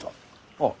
ああ。